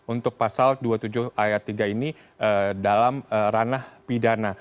untuk pasal dua puluh tujuh ayat tiga ini dalam ranah pidana